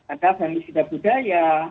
ada femisida budaya